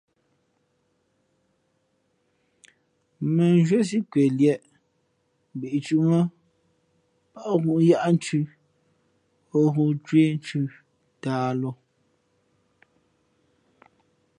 Mᾱ nzhwésí kweliēʼ mbīʼtǔmᾱ pάʼ ghoōyaʼthʉ̄ o ghoōcwéénthʉ tāhlǒ.